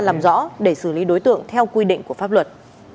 làm rõ để xử lý đối tượng theo quy định của pháp luật